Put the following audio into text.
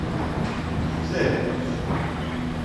Il vous aime, monsieur.